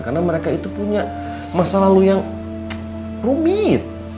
karena mereka itu punya masa lalu yang rumit